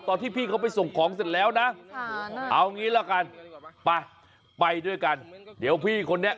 พี่เขาไปส่งของเสร็จแล้วนะเอางี้ละกันไปไปด้วยกันเดี๋ยวพี่คนนี้